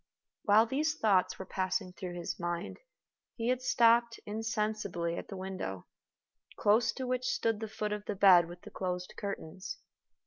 While these thoughts were passing through his mind, he had stopped insensibly at the window, close to which stood the foot of the bed with the closed curtains.